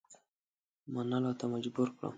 منلو ته مجبور کړم.